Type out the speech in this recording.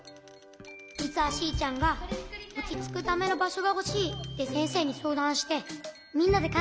じつはシーちゃんが「おちつくためのばしょがほしい」ってせんせいにそうだんしてみんなでかんがえてつくったの。